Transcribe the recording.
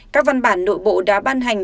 các văn bản nội bộ đã ban hành